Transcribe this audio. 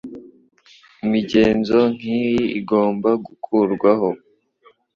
Imigenzo nkiyi igomba gukurwaho.